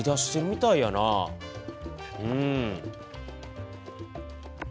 うん。